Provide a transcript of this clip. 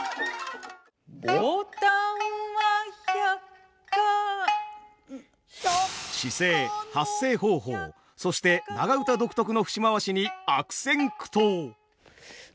ぼたんはひゃっか姿勢発声方法そして長唄独特の節回しに悪戦苦闘。